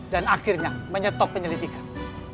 dan akhirnya menyetop penyelidikan